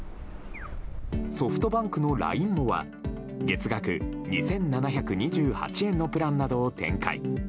ソフトバンクのＬＩＮＥＭＯは月額２７２８円のプランなどを展開。